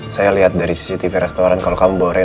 saya lihat dari cctv restoran kalau kamu bawa rena